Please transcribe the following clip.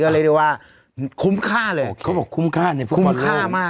เรียกได้ว่าคุ้มค่าเลยเขาบอกคุ้มค่าในคุ้มค่ามาก